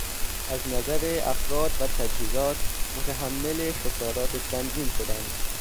از نظر افراد و تجهیزات متحمل خسارات سنگین شدند.